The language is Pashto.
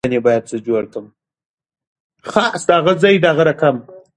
مور د روغتیا اصول عملي کوي.